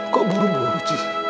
kok burung burung cik